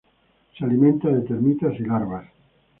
Se alimenta de termitas y larvas.